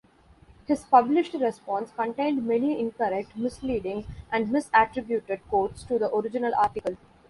His published response contained many incorrect, misleading, and misattributed quotes to the original article.